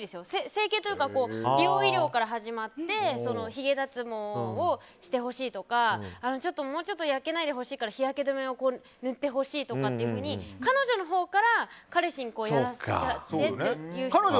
整形というか美容医療から始まってひげ脱毛をしてほしいとかもうちょっと焼けないでほしいから日焼け止めを塗ってほしいとか彼女のほうから彼氏にやらせるという人が。